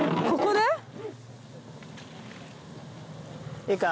ここで？